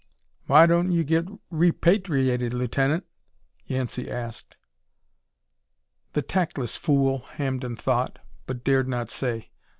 "Why don't you get repatriated, Lieutenant?" Yancey asked. "The tactless fool!" Hampden thought, but dared not say.